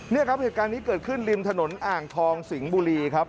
นี่ครับเหตุการณ์นี้เกิดขึ้นริมถนนอ่างทองสิงห์บุรีครับ